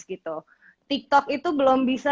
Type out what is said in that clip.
gitu tiktok itu belum bisa